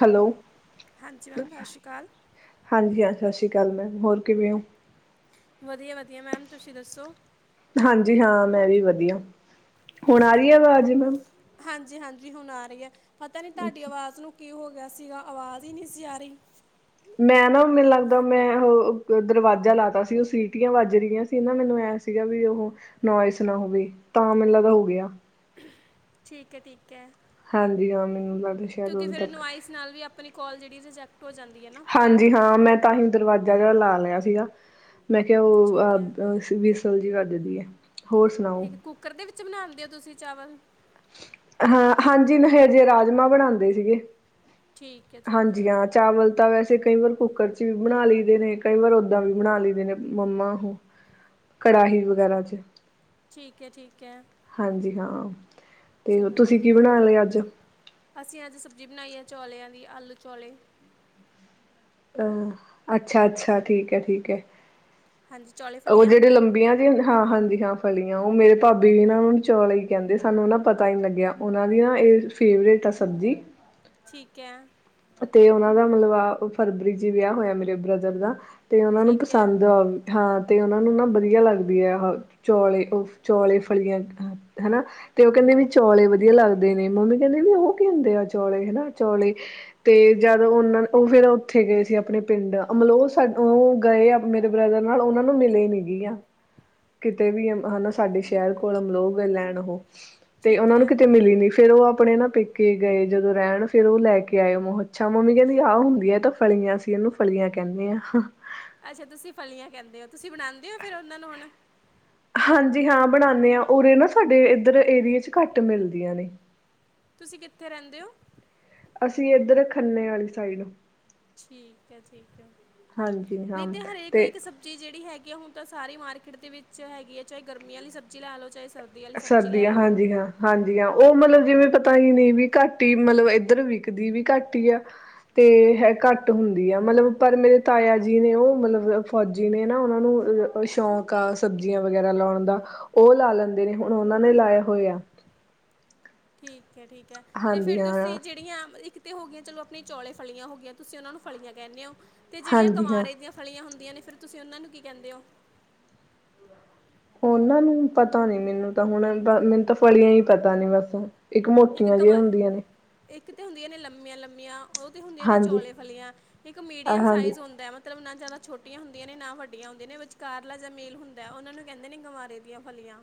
Hello ਹਾਂਜੀ ma'am ਸਤਿ ਸ਼੍ਰੀ ਅਕਾਲ ਹਾਂਜੀ ਹਾਂ ਸਤਿ ਸ਼੍ਰੀ ਅਕਾਲ ਮੈਮ ਹੋਰ ਕਿਵੇਂ ਓ ਵਧੀਆ ਵਧੀਆ ਮੈਮ ਤੁਸੀਂ ਦੱਸੋ ਹਾਂਜੀ ਹਾਂ ਮੈਂ ਵੀ ਵਧੀਆ ਹੁਣ ਆ ਰਹੀ ਆ ਆਵਾਜ਼ ਮੈਮ ਹਾਂਜੀ ਹਾਂਜੀ ਹੁਣ ਆ ਰਹੀ ਐ ਪਤਾ ਨਹੀਂ ਤੁਹਾਡੀ ਅੱਛਾ ਆਵਾਜ਼ ਨੂੰ ਕੀ ਹੋ ਗਿਆ ਸੀਗਾ ਆਵਾਜ਼ ਹੀ ਨਹੀਂ ਸੀ ਆ ਰਹੀ ਮੈਂ ਨਾ ਮੈਨੂੰ ਲੱਗਦਾ ਮੈਂ ਉਹ ਦਰਵਾਜ਼ਾ ਲਾਤਾ ਸੀ ਉਹ ਸੀਟੀਆਂ ਵੱਜ ਰਹੀਆਂ ਸੀ ਨਾ ਮੈਨੂੰ ਐ ਸੀਗਾ ਵੀ ਉਹ ਨੋਇਸ ਨਾ ਹੋਵੇ ਤਾਂ ਮੈਨੂੰ ਲੱਗਦਾ ਹੋ ਗਿਆ ਠੀਕ ਐ ਠੀਕ ਐ ਹਾਂਜੀ ਹਾਂ ਮੈਨੂੰ ਲੱਗਦਾ ਸ਼ਾਇਦ ਉਦੋਂ ਤੱਕ ਇਸ ਨਾਲ ਵੀ ਆਪਣੀ ਕੋਲ ਜਿਹੜੀ ਰਿਜੈਕਟ ਹੋ ਜਾਂਦੀ ਐ ਨਾ ਜੀ ਹਾਂ ਮੈਂ ਤਾਂ ਹੀ ਦਰਵਾਜ਼ਾ ਜਿਹੜਾ ਲਾ ਲਿਆ ਸੀਗਾ ਮੈਂ ਕਿਹਾ ਉਹ ਠੀਕ ਅ ਹੈ [unintelligible] ਵੱਜਦੀ ਏ ਠੀਕ ਐ ਕੁੱਕਰ ਦੇ ਵਿੱਚ ਬਣਾਉਂਦੇ ਹੋ ਤੁਸੀਂ ਚਾਵਲ ਹਾਂ ਹਾਂਜੀ ਮੈਂ ਹਜੇ ਰਾਜਮਾਂ ਬਣਾਉਂਦੇ ਸੀਗੇ ਠੀਕ ਹੈ ਠੀਕ ਹੈ ਹਾਂਜੀ ਹ ਚਾਵਲ ਤਾਂ ਵੈਸੇ ਕਈ ਵਾਰ ਕੁੱਕਰ ਚ ਵੀ ਬਣਾ ਲਈਦੇ ਨੇ ਕਈ ਵਾਰ ਓਦਾਂ ਵੀ ਬਣਾ ਲਈਦੇ ਨੇ ਮੰਮਾ ਉਹ ਕੜਾਹੀ ਵਗੈਰਾ ਚ ਠੀਕ ਐ ਠੀਕ ਐ ਹਾਂਜੀ ਹਾਂ ਤੇ ਚਲੋ ਤੁਸੀਂ ਕੀ ਵਧੀਆ ਬਣਾ ਲਿਆ ਅੱਜ ਅਹ ਅਸੀਂ ਅੱਜ ਸਬਜ਼ੀ ਬਣਾਈ ਆ ਚੌਲਿਆਂ ਦੀ ਆਲੂ ਚੌਲੇ ਅੱਛਾ ਅੱਛਾ ਠੀਕ ਐ ਠੀਕ ਐ ਹਾਂਜੀ ਚੌ ਉਹ ਜਿਹੜੀ ਲੰਬੀਆਂ ਹਾਂ ਹਾਂਜੀ ਹਾਂ ਫਲੀਆਂ ਉਹ ਮੇਰੇ ਭਾਬੀ ਵੀ ਚੌਲ ਈ ਕਹਿੰਦੇ ਸਾਨੂੰ ਨਾ ਪਤਾ ਨੀ ਲੱਗਿਆ ਉਹਨਾਂ ਦੀ ਨਾ ਇਹ ਫੇਵਰੇਟ ਆ ਸਬਜ਼ੀ ਠੀਕ ਐ ਤੇ ਉਹਨਾਂ ਦਾ ਮਤਲਬ ਆ ਫਰਵਰੀ ਚ ਵਿਆਹ ਹੋਇਆ ਮੇਰੇ ਬ੍ਰਦਰ ਦਾ ਤੇ ਉਹਨਾਂ ਨੂੰ ਠੀਕ ਹੈ ਪਸੰਦ ਹਾਂ ਤੇ ਉਹਨਾਂ ਨੂੰ ਨਾ ਵਧੀਆ ਲੱਗਦੀ ਐ ਚੌਲੇ ਉਹ ਚੌਲੇ ਫਲੀਆਂ ਹਨਾ ਤੇ ਉਹ ਕਹਿੰਦੇ ਵੀ ਚੌਲੇ ਵਧੀਆ ਲੱਗਦੇ ਨੇ ਮੰਮੀ ਕਹਿੰਦੇ ਵੀ ਉਹ ਕੀ ਹੁੰਦੇ ਆ ਚੌਲੇ ਹਨਾ ਚੌਲੇ ਤੇ ਜਦ ਉਹਨਾਂ ਉਹ ਫੇਰ ਉੱਥੇ ਗਏ ਸੀ ਆਪਣੇ ਪਿੰਡ ਮਤਲਬ ਉਹ ਉਹ ਗਏ ਆ ਮੇਰੇ ਬ੍ਰਦਰ ਨਾਲ ਉਹਨਾਂ ਨੂੰ ਮਿਲੇ ਨੀ ਗ ਆ ਕਿਤੇ ਵੀ ਹਨਾ ਸਾਡੇ ਸ਼ਹਿਰ ਕੋਲ ਅਮਲਗ ਲੈਣ ਉਹ ਤੇ ਠੀਕ ਉਹਨਾਂ ਨੂੰ ਹੈ ਕਿਤੇ ਮਿਲੀ ਨੀ ਫੇਰ ਉਹ ਆਪਣੇ ਨਾ ਪੇਕੇ ਗਏ ਜਦੋਂ ਰਹਿਣ ਫੇਰ ਉਹ ਲੈ ਕੇ ਆਏ ਅੱਛਾ ਮੰਮੀ ਕਹਿੰਦੀ ਆਹ ਹੁੰਦੀ ਏ ਤਾਂ ਫਲੀਆਂ ਸੀ ਇਹਨੂੰ ਫਲੀਆਂ ਕਹਿੰਦੇ ਆ ਅੱਛਾ ਤੂਸੀ ਫਲੀਆਂ ਕੈਂਦੇ ਓ, ਤੂਸੀ ਬਨਾਂਦੇ ਓ ਫੇਰ ਓਨਾਂ ਨੂੰ ਹੁਨ ਹਾਂਜੀ ਹਾਂ ਬਣਾਨੇ ਆਂ, ਉਰੇ ਨਾ ਸਾਡੇ ਇੱਦਰ ਏਰੀਏ ਚ ਘਾੱਟ ਮਿਲਦੀਆਂ ਨੇ। ਤੂਸੀ ਕਿੱਥੇ ਰੈਂਦੇ ਓ? ਅਸੀ ਏਦੱਰ ਖੰਨੇ ਆਲੀ ਸਾਈਡ। ਠੀਕ ਐ, ਠੀਕ ਐ, ਹਾਂਜੀ ਨਈ ਹਾਂ ਤੇ ਹਰੇਕ ਇੱਕ ਸਬ ਸਬਜੀ ਜੇੜੀ ਹੈਗੀ ਆ, ਹੁਨ ਤਾਂ ਸਾਰੀ ਮਾਰਕੀਟ ਦੇ ਵਿੱਚ ਹੈਗੀ ਐ, ਚਾਏ ਗਰਮੀ ਆਲੀ ਸਬਜੀ ਲਾ ਲੋ, ਚਾਏ ਸਰਦੀਆਂ, ਹਾਂਜੀ ਹਾਂ। ਹਾਂਜੀ ਹਾਂ, ਓ ਮਲਬ ਜਿਵੇਂ ਪਤਾ ਈ ਨਈ ਵੀ ਘਾੱਟ ਈ ਮਲਬ ਏੱਦਰ ਵਿਕਦੀ ਵੀ ਘਾੱਟ ਈ ਆ। ਤੇ ਹੈ ਘਾੱਟ ਹੁੰਦੀ ਆ ਮਲਬ ਪਰ ਮੇਰੇ ਤਾਏਆ ਜੀ ਨੇ, ਓ ਮਲਬ ਫੌਜੀ ਨੇ ਨਾ, ਓਨਾਂ ਨੂੰ ਅ ਕੋਈ ਸ਼ੌਂਕ ਆ ਸਬਜੀਆਂ ਵਗੈਰਾ ਲੋਨ ਦਾ, ਓ ਲਾ ਲੈਂਦੇ ਨੇ, ਹੁਨ ਓਨਾਂ ਨੇ ਲਾਏਆ ਹੋਏਆ। ਠੀਕ ਐ, ਠੀਕ ਐ ਤੇ ਹਾਂਜੀ ਫੇਰ ਤੂਸੀ ਹਾਂ ਜੇੜੀਆਂ ਇੱਕ ਤੇ ਹੋ ਗੀਆਂ ਚਲੋ ਅਪਣੀ ਚੌਲੇ ਫਲੀਆਂ ਹੋ ਗੀਆਂ, ਤੂਸੀ ਓਨਾਂ ਨੂੰ ਫਲੀਆਂ ਕੈਨੇ ਓ, ਤੇ ਜੇੜੀਆਂ ਹਾਂਜੀ ਹਾਂ ਗਵਾਰੇ ਦੀਆਂ ਫਲੀਆਂ ਹੁੰਦੀਆਂ ਨੇ ਫੇਰ ਤੂਸੀ ਓਨਾਂ ਨੂੰ ਕੀ ਕੈਂਦੇ ਓ? ਓਨਾਂ ਨੂੰ ਪਤਾ ਨੀ ਮੈਨੂੰ ਤਾਂ, ਹੁਣ ਬਾ, ਮੈਨ ਤਾਂ ਫਲੀਆਂ ਈ ਪਤਾ ਨੇ ਬਾੱਸ। ਇੱਕ ਮੋਟੀਆਂ ਗਵਾ ਜਿਹੀਆਂ ਹੁੰਦੀਆਂ ਇੱਕ ਤੇ ਹੁੰਦੀਆਂ ਨੇ ਲੰਮੀਆਂ-ਲੰਮੀਆਂ। ਓ ਤੇ ਹੁੰਦੀਆਂ ਨੇ ਹਾਂਜੀ ਚੌਲੇ ਫਲੀਆਂ, ਇੱਕ ਮੀਡੀਅਮ ਹਾਂਜੀ ਸਾਈਜ਼ ਹੁੰਦੈ ਮ ਮਤਲਬ ਨਾ ਜਾਦਾ ਛੋਟੀਆਂ ਹੁੰਦੀਆਂ ਨੇ, ਨਾ ਵੱਡੀਆਂ ਹੁੰਦੀਆਂ ਨੇ, ਵਿਚਕਾਰਲਾ ਜਾਂ ਮੇਲ ਹੁੰਦੈ, ਓਨਾਂ ਨੂੰ ਕੈਂਦੇ ਨੇ ਗਵਾਰੇ ਦੀਆਂ ਫਲੀਆਂ।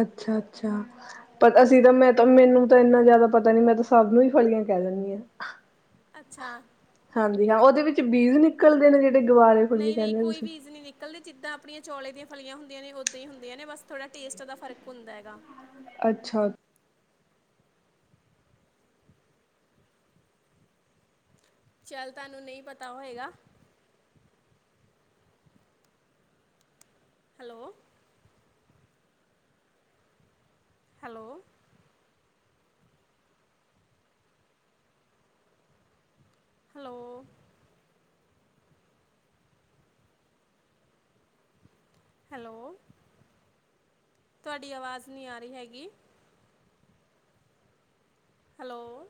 ਅੱਛਾ-ਅੱਛਾ। ਪਰ ਅਸੀ ਤਾਂ ਮੈਂ ਤਾ, ਮੈਨੂੰ ਤਾਂ ਇੰਨਾ ਜਾਦਾ ਪਤਾ ਨੀ, ਮੈਂ ਤਾਂ ਸਬ ਨੂੰ ਈ ਫਲੀਆਂ ਕੈਅ ਦੇਨੀ ਆਂ। ਅੱਛਾ। ਹਾਂਜੀ ਹਾਂ, ਓਦੇ ਵਿੱਚ ਬੀਜ ਨਿਕਲਦੇ ਨੇ ਜੇੜੇ ਗਵਾਰੇ ਫਲੀਏ ਕੈਨੇ ਓ ਤੂਸੀ? ਕੱਲੀ ਜਿੱਦਾਂ ਆਪਣੀਆਂ ਚੌਲੇ ਦੀਆਂ ਫਲੀਆਂ ਹੁੰਦੀਆਂ ਨੇ ਉੱਦਾਂ ਈ ਹੁੰਦੀਆਂ ਨੇ, ਬਾੱਸ ਥੋੜਾ ਟੇਸਟ ਦਾ ਫ਼ਰਕ ਹੁੰਦਾ ਹੈਗਾ। ਅੱਛਾ। ਚੱਲ ਤਾਨੂੰ ਨਈ ਪਤਾ ਹੋਏਗਾ। ਹੈਲੋ। ਹੈਲੋ। ਹੈਲੋ। ਹੈਲੋ, ਤੂਆਡੀ ਆਵਾਜ ਨੀ ਆ ਰੀ ਹੈਗੀ। ਹੈਲੋ।